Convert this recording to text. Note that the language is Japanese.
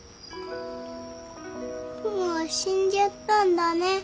雲は死んじゃったんだね。